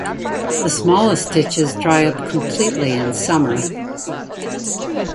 The smallest ditches dry up completely in summer.